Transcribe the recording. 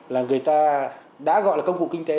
là người ta đã gọi là công cụ kinh tế